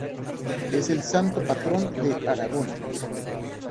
Es el santo patrón de Aragón.